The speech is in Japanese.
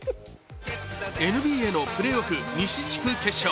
ＮＢＡのプレーオフ西地区決勝。